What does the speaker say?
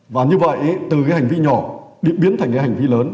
và như vậy từ hành vi nhỏ biến thành hành vi lớn